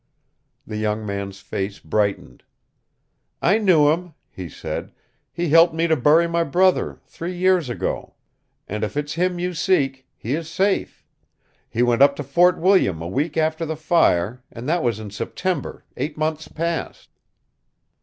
The young man's face brightened. "I knew him," he said. "He helped me to bury my brother, three years ago. And if it's him you seek, he is safe. He went up to Fort William a week after the fire, and that was in September, eight months past."